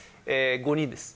５人です。